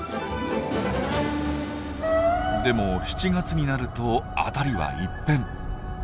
でも７月になると辺りは一変。